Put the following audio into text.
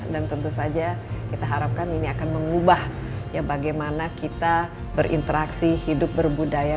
dan tentu saja kita harapkan ini akan mengubah ya bagaimana kita berinteraksi hidup berbudaya